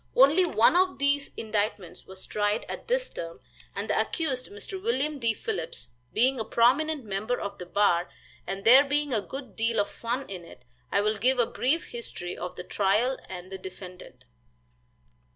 Only one of these indictments was tried at this term, and the accused, Mr. William D. Phillips, being a prominent member of the bar, and there being a good deal of fun in it, I will give a brief history of the trial and the defendant.